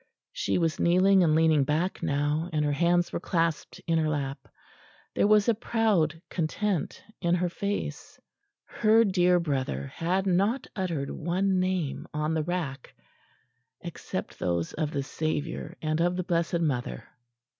She was kneeling and leaning back now, and her hands were clasped in her lap. There was a proud content in her face; her dear brother had not uttered one name on the rack except those of the Saviour and of the Blessed Mother.